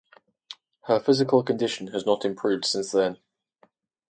Her physical condition has not improved since then.